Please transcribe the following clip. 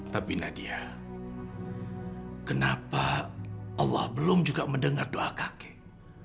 tapi nadia kenapa allah belum juga mendengar doa kakek